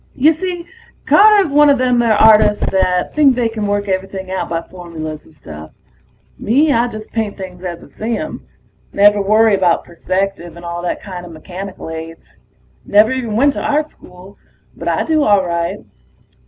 Y'see, Carter was one a them artists that think they can work everything out by formulas and stuff. Me, I just paint things as I see 'em. Never worry about perspective and all that kinda mechanical aids. Never even went to Art School. But I do all right.